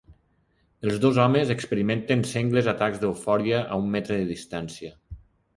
Els dos homes experimenten sengles atacs d'eufòria a un metre de distància.